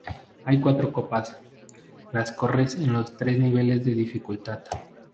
Hay cuatro copas, las corres en los tres niveles de dificultad.